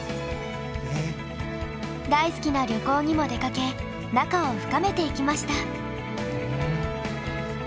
大好きな旅行にも出かけ仲を深めていきました。